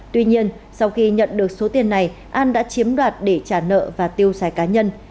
tuy nhiên sau khi nhận được số tiền này an đã chiếm đoạt để trả nợ và tiêu xài cá nhân